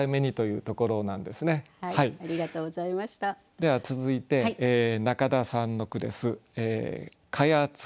では続いて中田さんの句です。